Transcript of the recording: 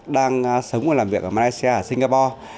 đang sống và làm việc ở malaysia ở singapore